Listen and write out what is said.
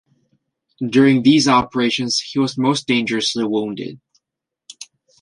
During these operations he was most dangerously wounded.